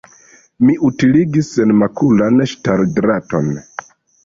Mi utiligis senmakulan ŝtaldraton.